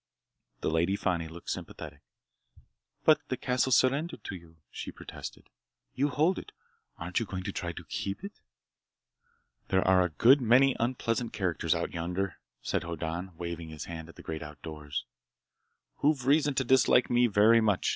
The Lady Fani looked sympathetic. "But the castle's surrendered to you," she protested. "You hold it! Aren't you going to try to keep it?" "There are a good many unpleasant characters out yonder," said Hoddan, waving his hand at the great outdoors, "who've reason to dislike me very much.